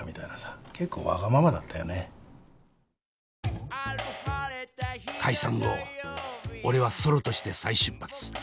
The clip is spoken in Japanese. もう俺は解散後俺はソロとして再出発。